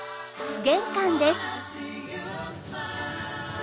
玄関です。